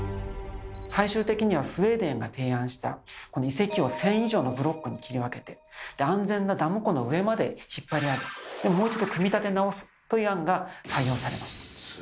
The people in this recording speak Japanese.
最終的にはスウェーデンが提案したこの遺跡を１，０００以上のブロックに切り分けて安全なダム湖の上まで引っ張り上げもう一度組み立て直すという案が採用されました。